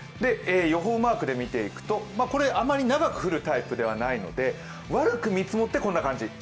予報マークで見ていくと、これあまり長く降るタイプではないので悪く見積もってこんな感じ。